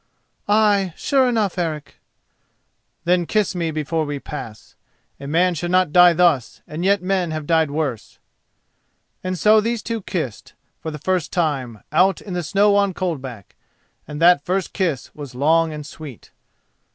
"Ay, sure enough, Eric." "Then kiss me before we pass. A man should not die thus, and yet men have died worse." And so these two kissed, for the first time, out in the snow on Coldback, and that first kiss was long and sweet.